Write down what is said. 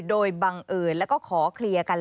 โดยบังเอิญแล้วก็ขอเคลียร์กัน